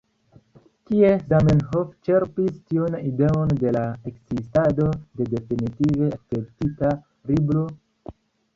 Kie Zamenhof ĉerpis tiun ideon de la ekzistado de definitive akceptita Libro?